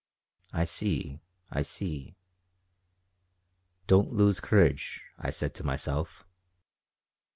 "I see. I see." "Don't lose courage," I said to myself.